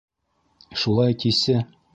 — Шулай тисе.